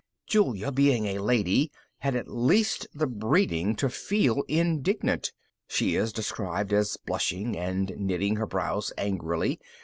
_ Julia, being a lady, had at least the breeding to feel indignant. She is described as blushing and knitting her brows angrily.